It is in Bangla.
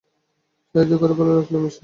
সাহায্য করে ভালোই লাগল, মিস ড্রাগন।